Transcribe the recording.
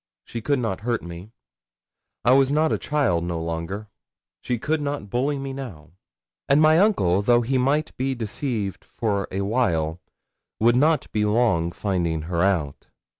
she could not hurt me. I was not a child no longer she could not bully me now; and my uncle, though he might be deceived for a while, would not be long finding her out.